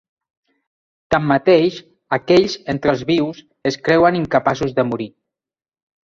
Tanmateix, aquells entre els vius es creuen incapaços de morir.